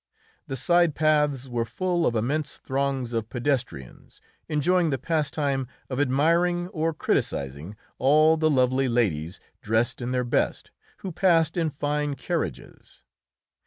The side paths were full of immense throngs of pedestrians, enjoying the pastime of admiring or criticising all the lovely ladies, dressed in their best, who passed in fine carriages.